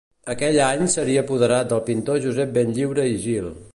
Aquell any seria apoderat del pintor Josep Benlliure i Gil.